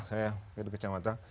saya kaya kecamata